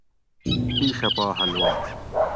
پیشہ پا حلوہ